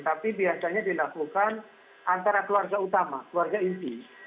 tapi biasanya dilakukan antara keluarga utama keluarga inti